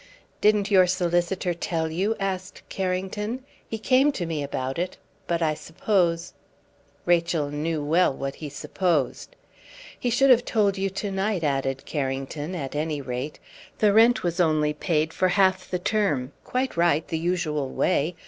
"Didn't your solicitor tell you?" asked Carrington. "He came to me about it; but I suppose " Rachel knew well what he supposed. "He should have told you to night," added Carrington, "at any rate. The rent was only paid for half the term quite right the usual way.